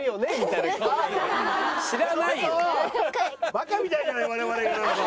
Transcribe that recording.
バカみたいじゃない我々がなんか。